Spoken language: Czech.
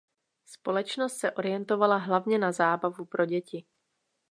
Společnost se orientovala hlavně na zábavu pro děti.